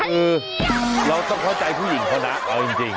คือเราต้องเข้าใจผู้หญิงเขานะเอาจริง